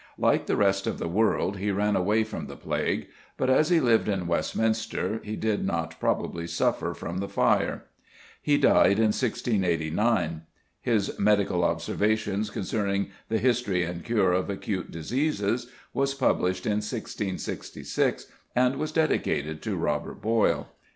Like the rest of the world, he ran away from the plague; but, as he lived in Westminster, he did not probably suffer from the fire. He died in 1689. His "Medical Observations concerning the History and Cure of Acute Diseases" was published in 1666, and was dedicated to Robert Boyle.